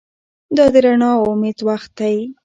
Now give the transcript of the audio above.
دا د رڼا او امید وخت دی.